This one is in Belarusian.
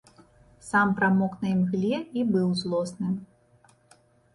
Сам прамок на імгле і быў злосны.